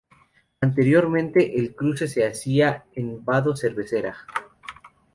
Anteriormente el cruce se hacía en Vado Cervera.